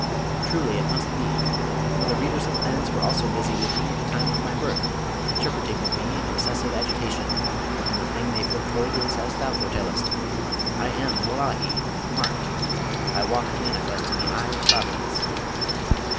Truly it must be, for the readers of planets were also busy with me at the time of my birth, interpreting of me in excessive agitation; and the thing they foretold is as thou foretellest. I am, wullahy! marked: I walk manifest in the eye of Providence.'